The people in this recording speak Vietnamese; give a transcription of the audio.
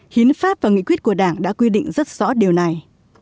hiến pháp và nghị quyết của đảng đã quy định rất rõ điều này